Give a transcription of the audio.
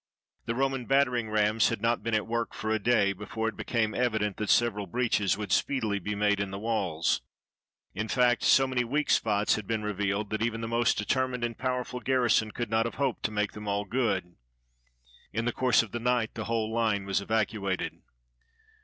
The Roman battering rams had not been at work for a day before it became evi dent that several breaches would speedily be made in the walls. Li fact, so many weak spots had been NORTHERN AFRICA revealed, that even the most determined and powerful garrison could not have hoped to make them all good. In the course of the night the whole line was evacuated.